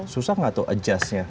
susah gak tuh adjustnya